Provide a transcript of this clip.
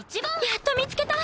やっと見つけた！